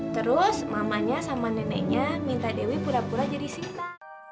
terus mamanya sama neneknya minta dewi pura pura jadi sinta